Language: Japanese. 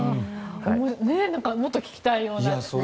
もっと聞きたいような。